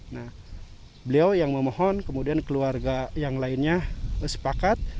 nah beliau yang memohon kemudian keluarga yang lainnya sepakat